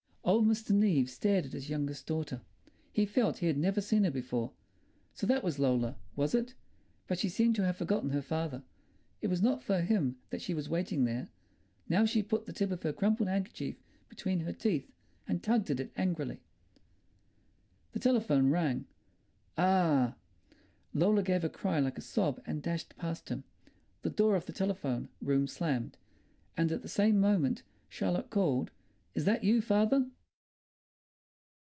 Old Mr. Neave stared at his youngest daughter; he felt he had never seen her before. So that was Lola, was it? But she seemed to have forgotten her father; it was not for him that she was waiting there. Now she put the tip of her crumpled handkerchief between her teeth and tugged at it angrily. The telephone rang. A ah! Lola gave a cry like a sob and dashed past him. The door of the telephone room slammed, and at the same moment Charlotte called, "Is that you, father?"